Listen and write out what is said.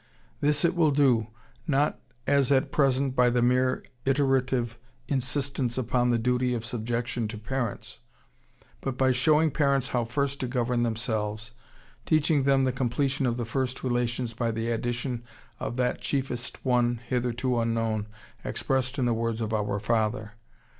This it will do, not as at present by the mere iterative insistence upon the duty of subjection to parents, but by showing parents how first to govern themselves, teaching them the completion of the first relations by the addition of that chiefest one hitherto unknown, expressed in the words Our Father.